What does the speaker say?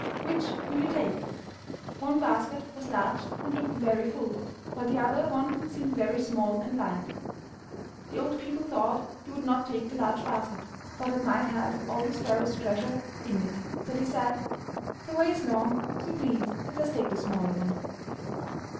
'Which will you take?'* One basket was large and looked very full, while the other one seemed very small and light. The old people thought they would not take the large basket, for that might have all the sparrow's treasure in it, so they said, 'The way is long, so please let us take the smaller one."